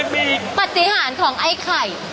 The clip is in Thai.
มีปฏิหารของไอ้ไข่